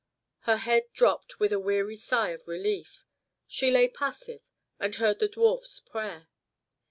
Her head dropped with a weary sigh of relief, she lay passive, and heard the dwarf's prayer.